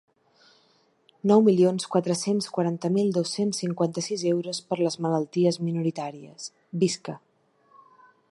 Nou milions quatre-cents quatre mil dos-cents cinquanta-sis euros per les malalties minoritàries, visca!